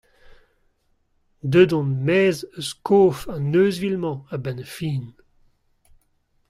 Deuet on er-maez eus kof an euzhvil-mañ a-benn ar fin !